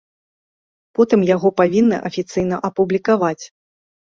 Потым яго павінны афіцыйна апублікаваць.